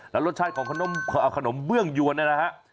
แล้วรสชาติของขนมเบื้องยวนเนี่ยนะฮะ